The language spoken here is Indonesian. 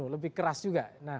lebih keras juga